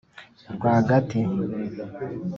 r wagati,